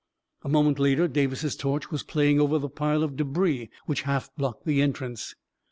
" A moment later, Davis's torch was playing over the pile of debris which half blocked the entrance.